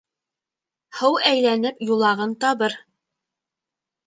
Һыу әйләнеп юлағын табыр